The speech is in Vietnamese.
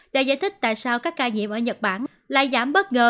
để giải thích tại sao các ca nhiễm ở nhật bản lại giảm bất ngờ